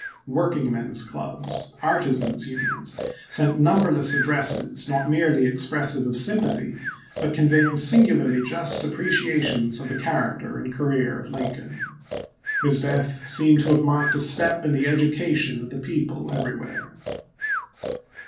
Work ingmen's clubs, artisans' unions, sent numberless addresses, not merely expressive of sympathy, but conveying singularly just appreciations of the character and career of Lincoln. His death seemed to have marked a step in the education of the people everywhere.